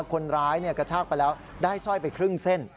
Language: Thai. กระชากไปแล้วได้สร้อยไปครึ่งเส้น